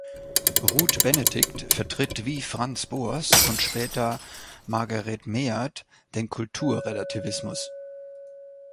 Ruth Benedict vertritt wie Franz Boas und später Margaret Mead den Kulturrelativismus.